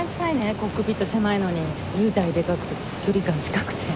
コックピット狭いのに図体でかくて距離感近くて。